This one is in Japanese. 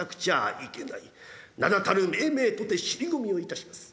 名だたる銘々とて尻込みをいたします。